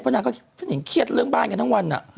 นางก็ฉันเห็นเครียดเรื่องบ้านกันทั้งวัน